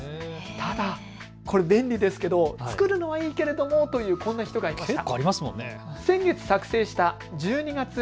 ただ、これ便利ですが作るのはいいけどというこんな方もいました。